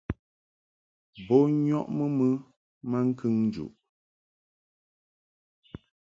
Bo nyɔʼmɨ mɨ maŋkəŋ njuʼ.